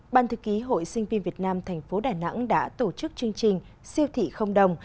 ban thư ký hội sinh viên việt nam thành phố đà nẵng đã tổ chức chương trình siêu thị không đồng